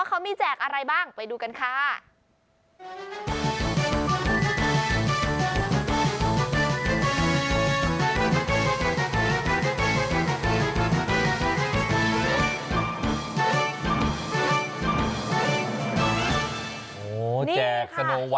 โอ้โหแจกสโนไวท์